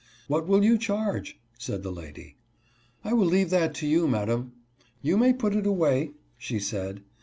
" What will you charge ?" said the lady. " I will leave that to you, madam." " You may put it away," she said.